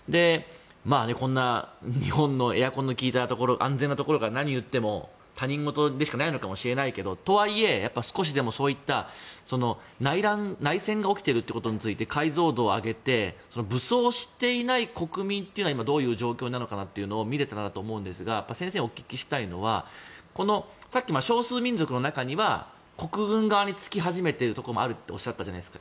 こんな日本のエアコンの効いた安全なところから何を言っても他人事でしかないかもしれないけどとはいえ少しでも、内乱、内戦が起きてるということについて解像度を上げて武装していない国民というのは今、どういう状況なのかを見れたらなと思いますが先生にお聞きしたいのはさっき、少数民族の中には国軍側につき始めてるところもあるっておっしゃったじゃないですか。